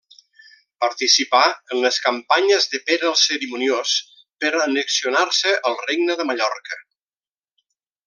Participà en les campanyes de Pere el Cerimoniós per annexionar-se el Regne de Mallorca.